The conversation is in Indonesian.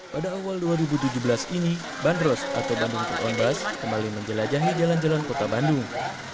pada awal dua ribu tujuh belas ini bandros atau bandung coach on bus kembali menjelajahi jalan jalan kota bandung